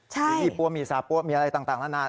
หรือมีปั๊วมีสาปั๊วมีอะไรต่างแล้วนะ